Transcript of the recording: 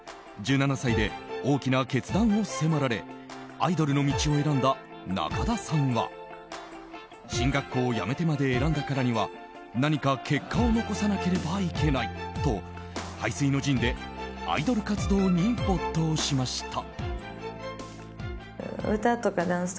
１７歳で大きな決断を迫られアイドルの道を選んだ中田さんは進学校を辞めてまで選んだからには何か結果を残さなければいけないと背水の陣でアイドル活動に没頭しました。